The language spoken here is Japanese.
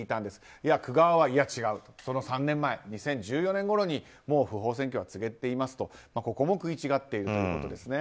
いや、区側はいや違う、その３年前２０１４年ごろに不法占拠は告げていますとここも食い違っているということです。